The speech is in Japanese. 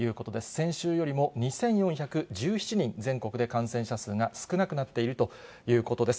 先週よりも２４１７人、全国で感染者数が少なくなっているということです。